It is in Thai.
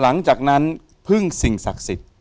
หลังจากนั้นพึ่งสิ่งศักดิ์สิทธิ์